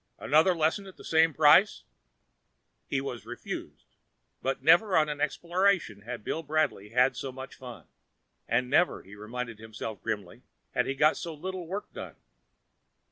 Another lesson at the same price?" He was refused, but never on an exploration had Bill Bradley had so much fun. And never, he reminded himself grimly, had he got so little work done.